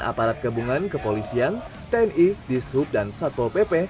aparat kebungan kepolisian tni dishub dan satpo pp